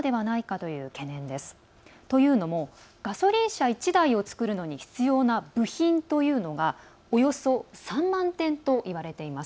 というのも、ガソリン車１台を作るのに必要な部品というのがおよそ３万点といわれています。